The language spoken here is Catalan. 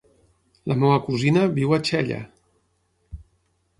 La meva cosina viu a Xella.